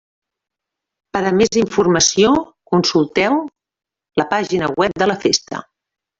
Per a més informació, consulteu la pàgina web de la festa.